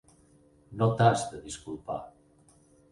No t'has de disculpar.